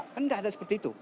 kan tidak ada seperti itu